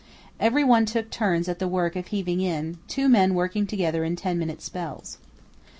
Every one took turns at the work of heaving in, two men working together in ten minute spells.